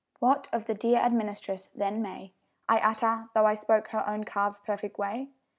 What of the dear administress then may I utter, though I spoke her own carved perfect way?